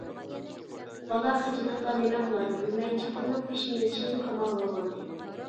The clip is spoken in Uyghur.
بالا خىجىللىقتا نېمە قىلارىنى بىلمەي چاپىنىنىڭ پېشىنى چىڭ قاماللىۋالغانىدى.